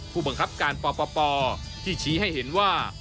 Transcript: ผู้บังคับการปปที่ชี้ให้เห็นว่า